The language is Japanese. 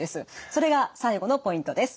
それが最後のポイントです。